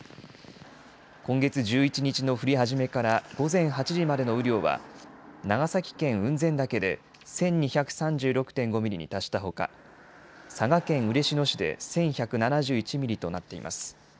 今月１１日の降り始めから午前８時までの雨量は長崎県雲仙岳で１２３６．５ミリに達したほか佐賀県嬉野市で１１７１ミリとなっています。